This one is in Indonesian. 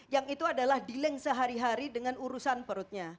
yang itu adalah dealing sehari hari dengan urusan perutnya